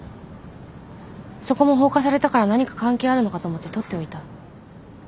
そこも放火されたから何か関係あるのかと思って撮っておいた。